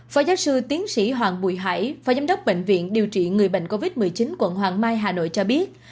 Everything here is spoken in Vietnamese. phó giáo sư tiến sĩ hoàng bùi hải phó giám đốc bệnh viện điều trị người bệnh covid một mươi chín quận hoàng mai hà nội cho biết